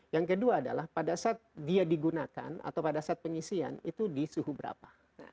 yang kedua adalah pada saat dia digunakan atau pada saat pengisian itu di suhu berapa